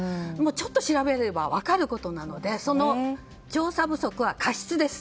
ちょっと調べれば分かることなので調査不足は過失です。